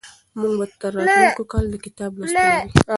موږ به تر راتلونکي کاله دا کتاب لوستلی وي.